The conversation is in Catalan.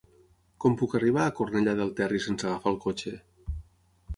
Com puc arribar a Cornellà del Terri sense agafar el cotxe?